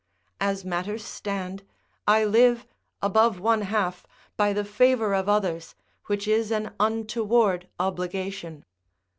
As matters stand, I live, above one half, by the favour of others, which is an untoward obligation.